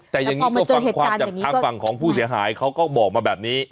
แต่อย่างนี้ก็ฟังความจากทางฝั่งของผู้เสียหายเขาก็บอกมาแบบนี้